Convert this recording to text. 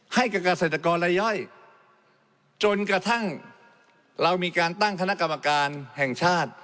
ให้กับเกษตรกรรายย่อยจนกระทั่งเรามีการตั้งคณะกรรมการแห่งชาติ